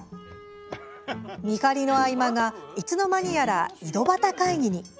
見張りの合間がいつの間にやら、井戸端会議に。